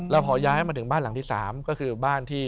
แล้วพอย้ายมาถึงบ้านหลังที่๓ก็คือบ้านที่